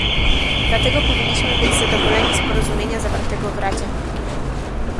Dlatego powinniśmy być zadowoleni z porozumienia zawartego w Radzie